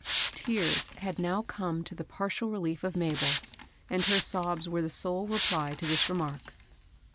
Tears had now come to the partial relief of Mabel, and her sobs were the sole reply to this remark.